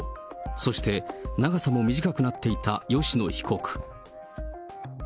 そして長さも短くなっていた吉野被告。